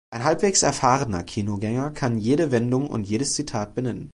Ein halbwegs erfahrener Kinogänger kann jede Wendung und jedes Zitat benennen.